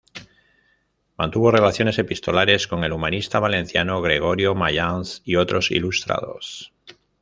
Mantuvo relaciones epistolares con el humanista valenciano Gregorio Mayans y otros ilustrados.